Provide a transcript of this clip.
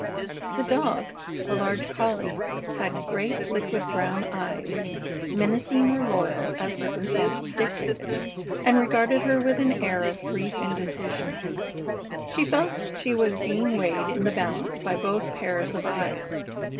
The dog, a large collie, had great, liquid, brown eyes, menacing or loyal, as circumstances dictated, and regarded her with an air of brief indecision. She felt she was being weighed in the balance by both pairs of eyes.